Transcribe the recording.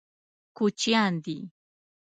کوچیان دي.